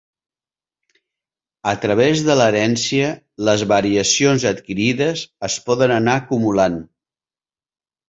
A través de l'herència, les variacions adquirides es poden anar acumulant.